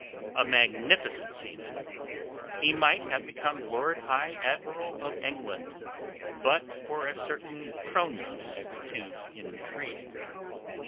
A magnificent seaman, he might have become Lord High Admiral of England but for a certain proneness to intrigue.